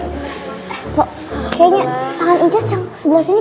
kayaknya tangan ujian sebelah sini